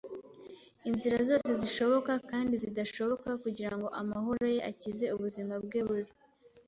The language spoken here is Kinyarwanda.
inzira zose, zishoboka kandi zidashoboka, kugirango amahoro ye akize ubuzima bwe bubi.